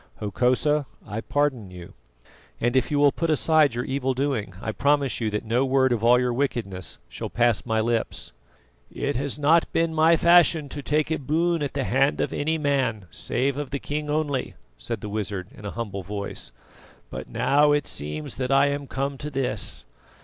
Hokosa, I pardon you, and if you will put aside your evil doing, I promise you that no word of all your wickedness shall pass my lips." "It has not been my fashion to take a boon at the hand of any man, save of the king only," said the wizard in a humble voice; "but now it seems that I am come to this.